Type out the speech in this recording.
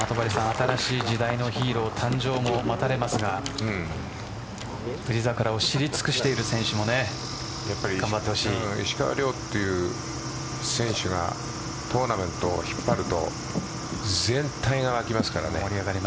新しい時代のヒーロー誕生も待たれますが富士桜を知り尽くしている選手も石川遼という選手がトーナメントを引っ張ると全体が沸きますからね。